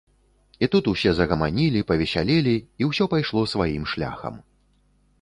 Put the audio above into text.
І тут усе загаманілі, павесялелі, і ўсё пайшло сваім шляхам.